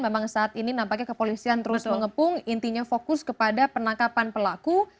memang saat ini nampaknya kepolisian terus mengepung intinya fokus kepada penangkapan pelaku